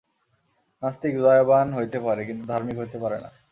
নাস্তিক দয়াবান হইতে পারে, কিন্তু ধার্মিক হইতে পারে না।